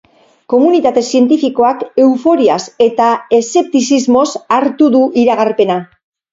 Komunitate zientifikoak euforiaz eta eszeptizismoz hartu du iragarpena.